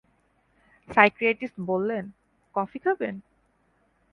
Psychiatrist বললেন, coffee খাবেন?